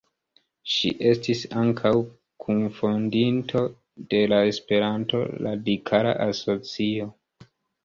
Ŝi estis ankaŭ kunfondinto de la Esperanto Radikala Asocio.